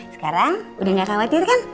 sekarang udah gak khawatir kan